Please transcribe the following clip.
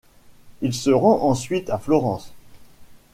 Il se rend ensuite à Florence.